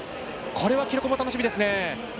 これは記録も楽しみですね。